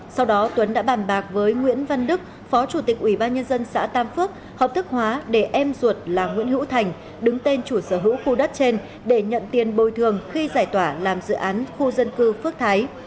sau đó tuấn đã bàn bạc với nguyễn văn đức phó chủ tịch ủy ban nhân dân xã tam phước hợp thức hóa để em ruột là nguyễn hữu thành đứng tên chủ sở hữu khu đất trên để nhận tiền bồi thường khi giải tỏa làm dự án khu dân cư phước thái